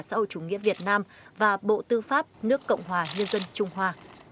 sau chủ nghĩa việt nam và bộ tư pháp nước cộng hòa nhân dân trung hoa